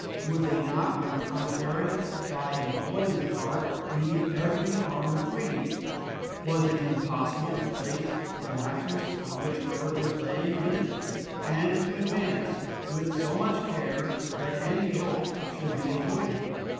Would they not, on the contrary, by employing the cart leave every arm free? Was it impossible to place the mattress on which Herbert was lying in it, and to advance with so much care that any jolt should be avoided?